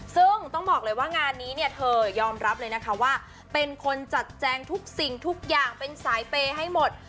ซึ่งต้องบอกเลยว่างานนี้เนี่ยเธอยอมรับเลยนะคะว่าเป็นคนจัดแจงทุกสิ่งทุกอย่างเป็นสายเปย์ให้หมด